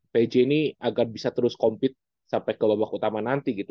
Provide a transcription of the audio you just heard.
pj ini agar bisa terus compete sampai ke babak utama nanti gitu